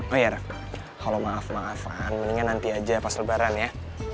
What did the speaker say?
oh iya rev kalau maaf maafan mendingan nanti aja pas lebaran ya